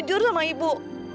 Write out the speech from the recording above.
dia jujur sama ibu